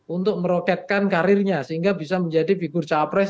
untuk meroketkan karirnya sehingga bisa menjadi figur capres